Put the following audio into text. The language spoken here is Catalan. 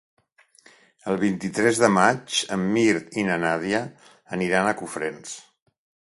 El vint-i-tres de maig en Mirt i na Nàdia aniran a Cofrents.